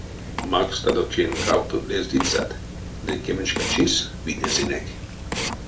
Макстадо тень кавто лездыцят — ды кеменьшка чис витьнесынек.